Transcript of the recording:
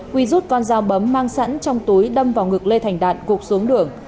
quy rút con dao bấm mang sẵn trong túi đâm vào ngực lê thành đạt gục xuống đường